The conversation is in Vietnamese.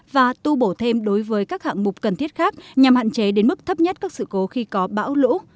và tu bổ thêm đối với các hạng mục cần thiết khác nhằm hạn chế đến mức thấp nhất các sự cố khi có bão lũ